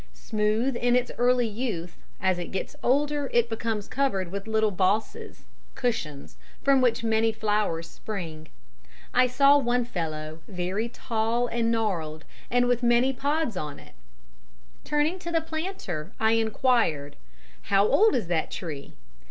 Smooth in its early youth, as it gets older it becomes covered with little bosses (cushions) from which many flowers spring. I saw one fellow, very tall and gnarled, and with many pods on it; turning to the planter I enquired "How old is that tree?"